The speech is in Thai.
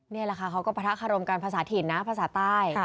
เนี่ยล่ะค่ะเขาก็มาทักอบคารมการภาษาถีนท์นะภาษาใต้